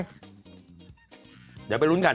เดี๋ยวไปลุ้นกัน